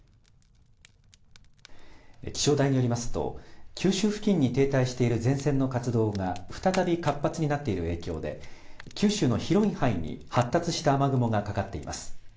気象台によりますと九州付近に停滞している前線の活動が再び活発になっている影響で九州の広い範囲に発達した雨雲がかかっています。